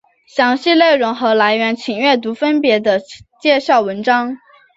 详细内容和来源请阅读分别的介绍文章。